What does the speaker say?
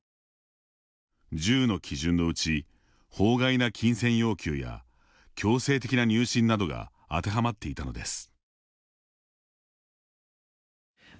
１０の基準のうち、法外な金銭要求や強制的な入信などが当てはまっていたのです。